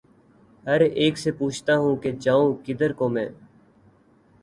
ہر اک سے پوچھتا ہوں کہ ’’ جاؤں کدھر کو میں